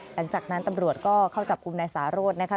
หลังจากนั้นตำรวจก็เข้าจับกลุ่มนายสาโรธนะคะ